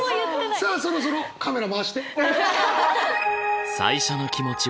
さあそろそろカメラ回して。